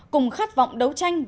cùng khát vọng đấu tranh